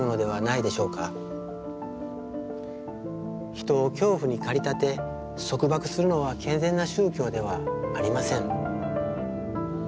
人を恐怖に駆り立て束縛するのは健全な宗教ではありません。